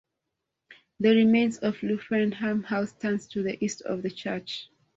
The remains of Luffenham House stands to the east of the church.